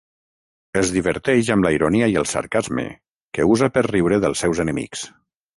Es diverteix amb la ironia i el sarcasme que usa per riure dels seus enemics.